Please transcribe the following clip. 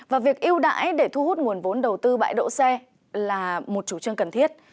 và việc yêu đãi để thu hút nguồn vốn đầu tư bãi đỗ xe là một chủ trương cần thiết